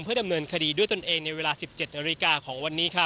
ให้ดำเนินคดีด้วยตัวเอง